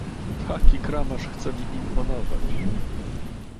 "Taki kramarz chce mi imponować!"